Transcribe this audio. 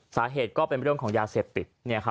สาเหตุก็เป็นเรื่องของยาเสพติด